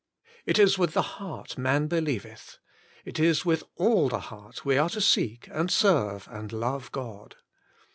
It is with the heart man believeth. It is with all the heart we are to seek, and serve, and love God.